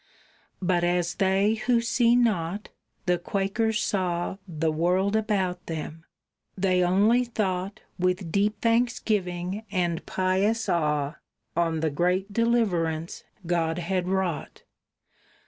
But as they who see not, the Quakers saw The world about them; they only thought With deep thanksgiving and pious awe On the great deliverance God had wrought.